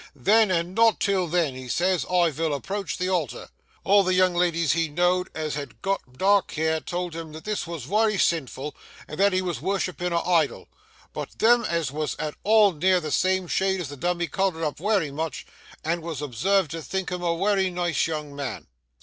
Then, and not till then," he says, "I vill approach the altar." All the young ladies he know'd as had got dark hair told him this wos wery sinful, and that he wos wurshippin' a idle; but them as wos at all near the same shade as the dummy coloured up wery much, and wos observed to think him a wery nice young man.